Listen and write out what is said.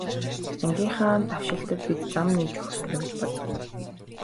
Ангийнхаа давшилтад бид зам нээж өгөх ёстой гэж бодов.